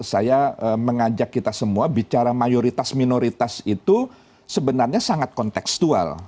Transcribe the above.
saya mengajak kita semua bicara mayoritas minoritas itu sebenarnya sangat konteksual